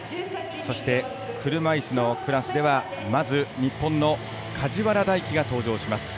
車いすのクラスでは、まず日本の梶原大暉が登場します。